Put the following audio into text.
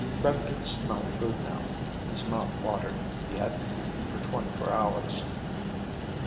Brett could smell food now. His mouth watered. He hadn't eaten for twenty four hours.